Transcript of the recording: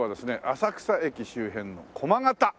浅草駅周辺の駒形。